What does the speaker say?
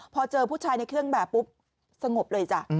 พอเจอผู้ชายในเครื่องแบบปุ๊บสงบเลยจ้ะ